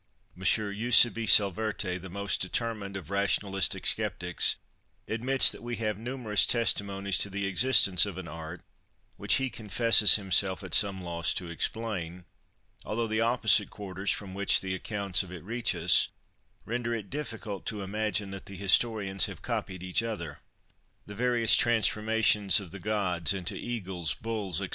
Monsieur Eusèbe Salverte, the most determined of rationalistic skeptics, admits that we have numerous testimonies to the existence of an art, which he confesses himself at some loss to explain, although the opposite quarters from which the accounts of it reach us, render it difficult to imagine that the historians have copied each other. The various transformations of the gods into eagles, bulls, &c.